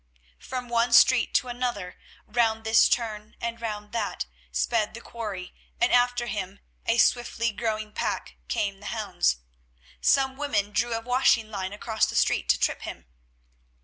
From one street to another, round this turn and round that, sped the quarry, and after him, a swiftly growing pack, came the hounds. Some women drew a washing line across the street to trip him.